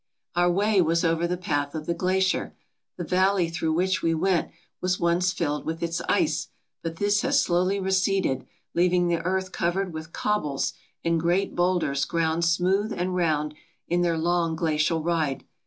Our way was over the path of the glacier. The valley through which we went was once filled with its ice, but this has slowly receded, leaving the earth covered with cobbles and great boulders ground smooth and round in their long glacial ride.